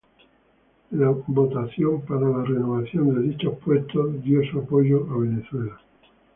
En la votación para la renovación de dichos puestos dio su apoyo a Venezuela.